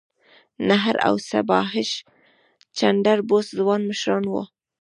نهرو او سبهاش چندر بوس ځوان مشران وو.